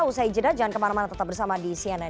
usai jeda jangan kemana mana tetap bersama di cnn